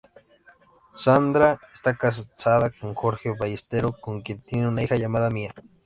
Sandra está casada con Jorge Ballesteros, con quien tienen una hija llamada Mía.